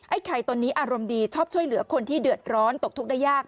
ไข่ตัวนี้อารมณ์ดีชอบช่วยเหลือคนที่เดือดร้อนตกทุกข์ได้ยาก